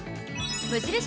無印